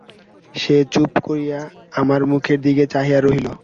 সে চুপ করিয়া আমার মুখের দিকে চাহিয়া রহিল।